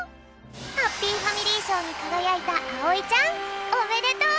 ハッピーファミリーしょうにかがやいたあおいちゃんおめでとう！